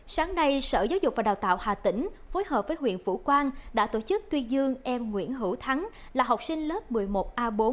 sáng nay sở giáo dục và đào tạo hà tĩnh phối hợp với huyện phủ quan đã tổ chức tuyên dương em nguyễn hữu thắng là học sinh lớp một mươi một a bốn